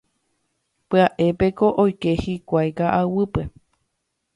Pya'épeko oike hikuái ka'aguýpe.